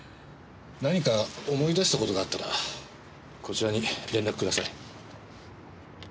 何か思い出した事があったらこちらに連絡ください。